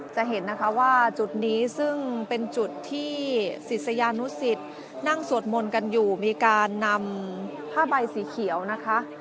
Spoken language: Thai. จะเห็นนะคะว่าจุดนี้ซึ่งเป็นจุดที่ศิษยานุสิตนั่งสวดมนต์กันอยู่มีการนำผ้าใบสีเขียวนะคะ